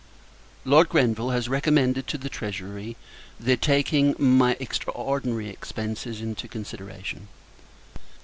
Lord Grenville has recommended to the Treasury, the taking my extraordinary expences into consideration.